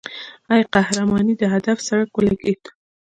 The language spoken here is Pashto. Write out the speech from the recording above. ای قهرمانې د هدف څرک ولګېد.